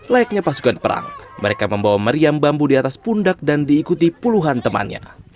layaknya pasukan perang mereka membawa meriam bambu di atas pundak dan diikuti puluhan temannya